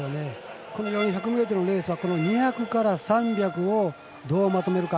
４００ｍのレースは２００から３００をどうまとめるか。